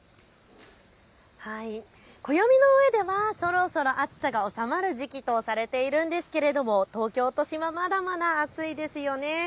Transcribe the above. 暦の上ではそろそろ暑さが収まる時期とされているんですが東京都心はまだまだ暑いですよね。